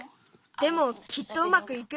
でもきっとうまくいく。